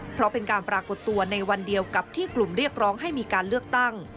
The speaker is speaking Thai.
เพราะเป็นการปรากฏตัวในวันเดียวกับที่กลุ่มเรียกร้องให้มีการเลือกตั้ง